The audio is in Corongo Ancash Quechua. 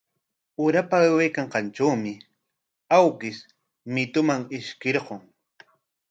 Urapa aywaykanqantrawmi awkish mituman ishkirqun.